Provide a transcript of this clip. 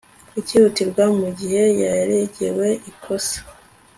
icyihutirwa mu gihe yaregewe ikosa